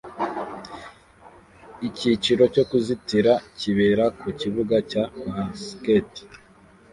Icyiciro cyo kuzitira kibera ku kibuga cya basket